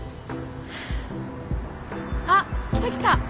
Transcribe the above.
あっ来た来た！